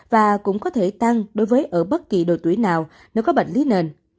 và cũng có thể tăng đối với ở bất kỳ độ tuổi nào nếu có bệnh lý nền